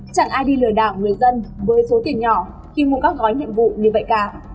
chặn ai đi lừa đảo người dân với số tiền nhỏ khi mua các gói nhiệm vụ như vậy cả